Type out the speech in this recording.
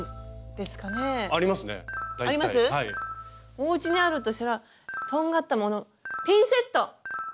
おうちにあるとしたらとんがったものピンセット！